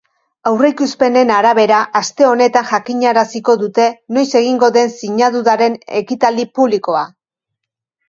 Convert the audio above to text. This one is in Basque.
Aurreikuspenen arabera, aste honetan jakinaraziko dute noiz egingo den sinaduraren ekitaldi publikoa.